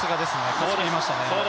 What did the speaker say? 勝ちきりましたね。